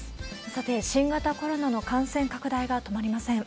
さて、新型コロナの感染拡大が止まりません。